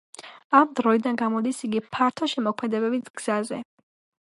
ამ დროიდან გამოდის იგი ფართო შემოქმედებით გზაზე.